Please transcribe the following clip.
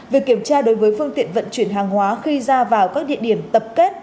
việc kiểm tra đối với phương tiện vận chuyển hàng hóa khi ra vào các địa điểm tập kết